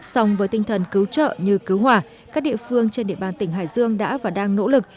song với tinh thần cứu trợ như cứu hỏa các địa phương trên địa bàn tỉnh hải dương đã và đang nỗ lực